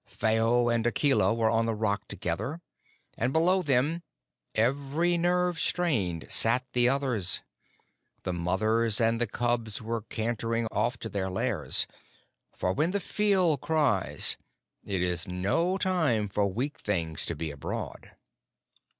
Phao and Akela were on the Rock together, and below them, every nerve strained, sat the others. The mothers and the cubs were cantering off to their lairs; for when the pheeal cries it is no time for weak things to be abroad.